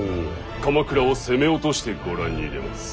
鎌倉を攻め落としてご覧に入れます。